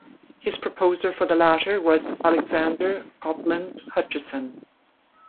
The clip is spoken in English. His proposer for the latter was Alexander Copland Hutchison.